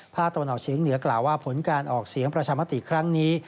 ตะวันออกเฉียงเหนือกล่าวว่าผลการออกเสียงประชามติครั้งนี้